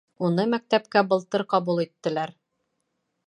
Уны мәктәпкә былтыр ҡабул иттеләр